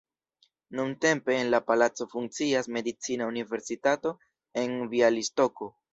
Nuntempe en la palaco funkcias Medicina Universitato en Bjalistoko.